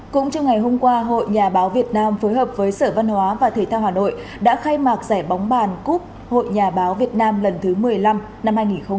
cũng trong ngày hôm qua hội nhà báo việt nam phối hợp với sở văn hóa và thể thao hà nội đã khai mạc giải bóng bàn cúp hội nhà báo việt nam lần thứ một mươi năm năm hai nghìn hai mươi